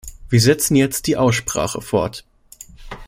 Wir setzen jetzt die Aussprache fort.